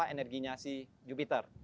energinya si jupiter